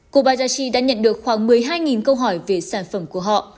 kobayashi đã nhận được khoảng một mươi hai câu hỏi về sản phẩm của họ